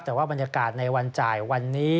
แต่ว่าบรรยากาศในวันจ่ายวันนี้